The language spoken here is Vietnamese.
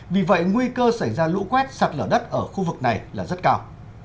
vì vậy nguy cơ xảy ra lũ quét sạt lở đất ở khu vực này là rất cao